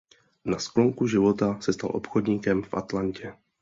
Na sklonku života se stal obchodníkem v Atlantě.